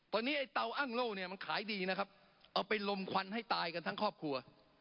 ตอนนี้ไอ้เตาอ้างโล่เนี่ยมันขายดีนะครับเอาไปลมควันให้ตายกันทั้งครอบครัว